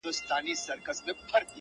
ښه خبر وو مندوشاه له مصیبته-